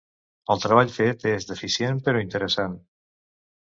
El treball fet és deficient però interessant.